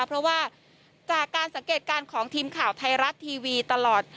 เพราะว่าจากการสังเกตการณ์ของทีมข่าวไทยรัฐทีวีตลอด